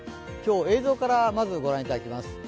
今日、映像からまず御覧いただきます。